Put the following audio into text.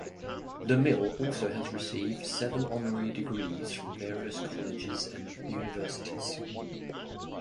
De Mille also has received seven honorary degrees from various colleges and universities.